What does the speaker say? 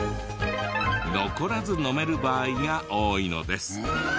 残らず飲める場合が多いのです。